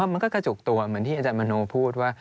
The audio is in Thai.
มันก็กระจุกตัวเหมือนที่อาจารย์มโนพูดว่า